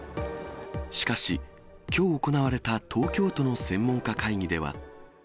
しかし、きょう行われた東京都の専門家会議では。